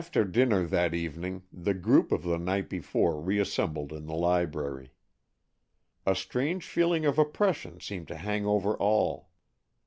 After dinner that evening the group of the night before reassembled in the library. A strange feeling of oppression seemed to hang over all.